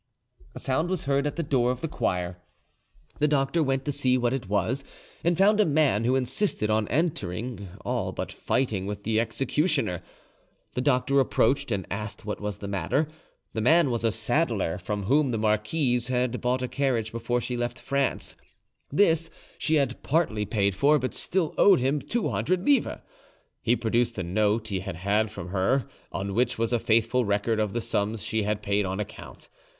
A sound was heard at the door of the choir. The doctor went to see what it was, and found a man who insisted on entering, all but fighting with the executioner. The doctor approached and asked what was the matter. The man was a saddler, from whom the marquise had bought a carriage before she left France; this she had partly paid for, but still owed him two hundred livres. He produced the note he had had from her, on which was a faithful record of the sums she had paid on account.